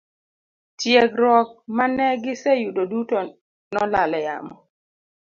Tiegruok mane giseyudo duto nolal e yamo.